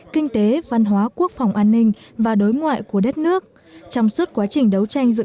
kinh tế văn hóa quốc phòng an ninh và đối ngoại của đất nước trong suốt quá trình đấu tranh giữa